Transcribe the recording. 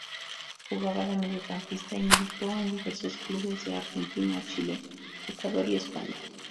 Jugaba de mediocampista y militó en diversos clubes de Argentina, Chile, Ecuador y España.